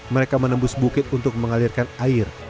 mereka menembus bukit untuk mengalirkan air